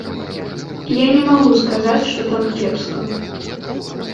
Я не магу сказаць, што там кепска.